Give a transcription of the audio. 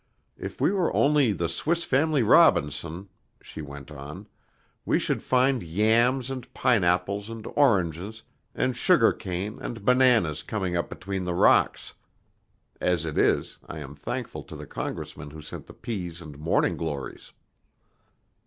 If we were only 'The Swiss Family Robinson,'" she went on, "we should find yams and pineapples and oranges and sugar cane and bananas coming up between the rocks. As it is, I am thankful to the congressman who sent the peas and morning glories."